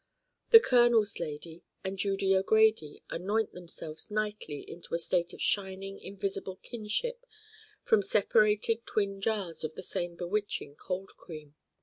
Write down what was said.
The Colonel's Lady and Judy O'Grady anoint themselves nightly into a state of shining invisible kinship from separated twin jars of the same bewitching Cold Cream.